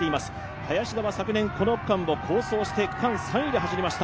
林田は昨年、この区間を好走して区間３位で走りました。